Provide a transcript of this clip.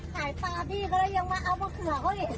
ขายปลาพี่ก็ได้มาเอามาข่อย